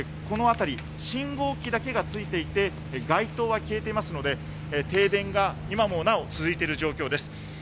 この辺り信号機だけがついていて街灯は消えていますので停電が今もなお続いている状況です。